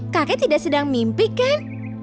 kakek tidak sedang mimpi kan